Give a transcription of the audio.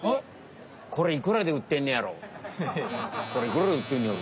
これいくらで売ってるのやろ？